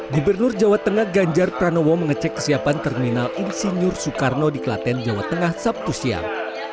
gubernur jawa tengah ganjar pranowo mengecek kesiapan terminal insinyur soekarno di klaten jawa tengah sabtu siang